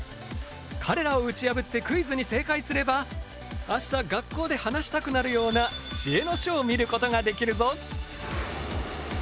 彼らを打ち破ってクイズに正解すれば明日学校で話したくなるような知恵の書を見ることができるぞ！